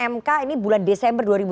mk ini bulan desember dua ribu delapan